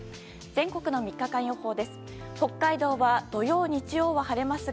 全国の３日間予報です。